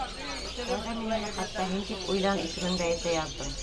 Тәүҙә мин уны хатта һин тип уйлан, исемеңде әйтә яҙҙым.